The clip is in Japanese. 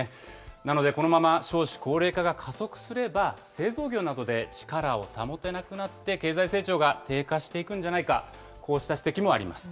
なので、このまま少子高齢化が加速すれば、製造業などで力を保てなくなって、経済成長が低下していくんじゃないか、こうした指摘もあります。